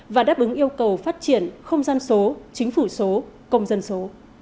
và đáp ứng yêu cầu phát triển không gian số chính phủ số công dân số